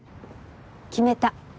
決めた。